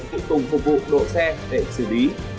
để tiếp tục phục vụ độ xe để xử lý